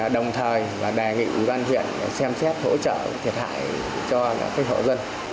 đồng thời đề nghị quân hiện xem xét hỗ trợ thiệt hại cho các hộ dân